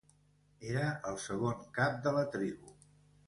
Era el segon cap de la tribu.